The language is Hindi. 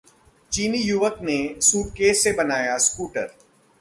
चीनी युवक ने सूटकेस से बनाया स्कूटर